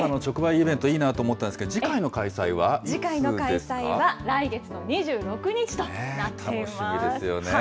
イベントいいなと思ったんですけど、次回の開次回の開催は来月の２６日と楽しみですよね。